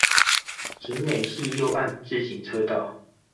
景美溪右岸自行車道